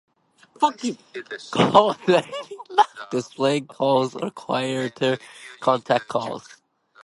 Calls may be loud displaying calls or quieter contact calls.